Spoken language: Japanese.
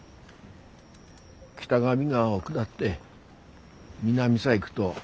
北上川を下って南さ行ぐど